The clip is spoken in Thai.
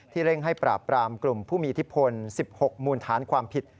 เร่งให้ปราบปรามกลุ่มผู้มีอิทธิพล๑๖มูลฐานความผิด